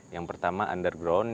yang pertama underground